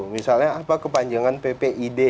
misalnya apa kepanjangan ppid